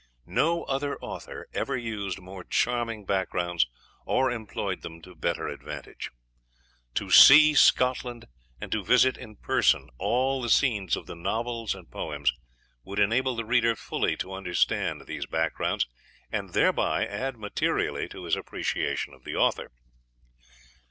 No other author ever used more charming backgrounds or employed them to better advantage. To see Scotland, and to visit in person all the scenes of the novels and poems, would enable the reader fully to understand these backgrounds and thereby add materially to his appreciation of the author.